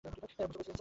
মজা করছেন, স্যার?